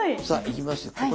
さあいきますよ！